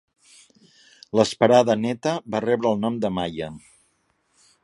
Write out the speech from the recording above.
L'esperada néta va rebre el nom de Maia.